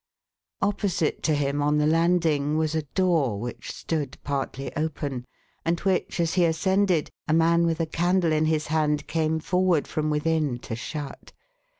Opposite to him, on the landing, was a door, which stood partly open, and which, as he ascended, a man with a candle in his hand, came forward from within to shut.